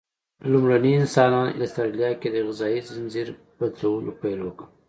لومړني انسانان استرالیا کې د غذایي ځنځیر بدلولو پیل وکړ.